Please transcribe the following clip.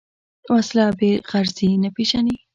وسله بېغرضي نه پېژني